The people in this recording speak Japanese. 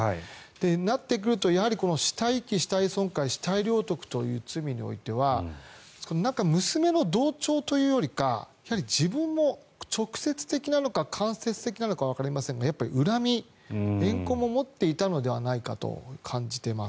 そうなってくると死体損壊、死体遺棄死体領得という罪においては娘の同調というよりかは自分も直接的なのか間接的なのかわかりませんが恨み、えん恨も持っていたのではないかと感じています。